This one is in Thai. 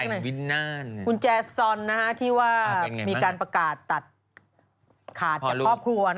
ส่วนคุณแจกคุณแจสอนที่ว่ามีการประกาศตัดขาดจากครอบครัว